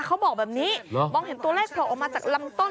เขาบอกแบบนี้มองเห็นตัวเลขโผล่ออกมาจากลำต้น